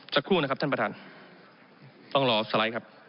สักครู่นะครับท่านประธานต้องรอสไลด์ครับ